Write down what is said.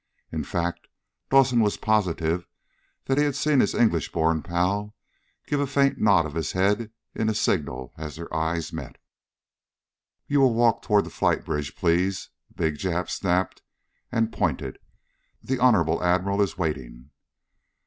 In fact, Dawson was positive that he had seen his English born pal give a faint nod of his head in a signal as their eyes met. "You will walk toward the flight bridge, please!" the big Jap snapped and pointed. "The Honorable Admiral is waiting."